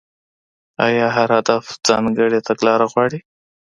ايا هر هدف ځانګړې تګلاره غواړي؟